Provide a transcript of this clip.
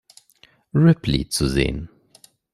Ripley" zu sehen.